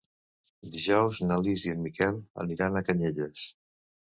Dijous na Lis i en Miquel aniran a Canyelles.